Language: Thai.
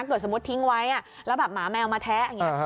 สมมุติทิ้งไว้แล้วแบบหมาแมวมาแทะอย่างนี้